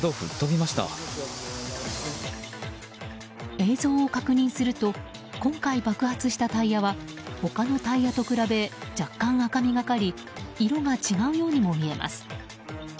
映像を確認すると今回、爆発したタイヤは他のタイヤと比べて若干赤みがかり色が違うようにも見えます。